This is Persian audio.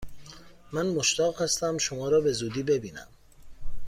من مشتاق هستم شما را به زودی ببینم!